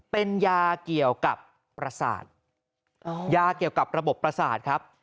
เป็นยาเกี่ยวกับประสาทยาเกี่ยวกับระบบประสาทครับ